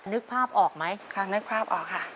นึกภาพออกไหมค่ะนึกภาพออกค่ะ